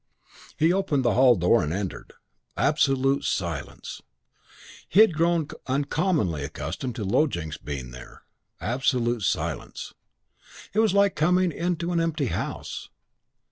He opened the hall door and entered. Absolute silence. He had grown uncommonly accustomed to Low Jinks being here.... Absolute silence. It was like coming into an empty house.